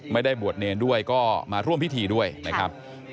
ไม่ได้บวชเนรด้วยก็มาร่วมพิธีด้วยนะครับ